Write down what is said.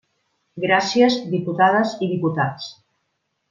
Gràcies, diputades i diputats.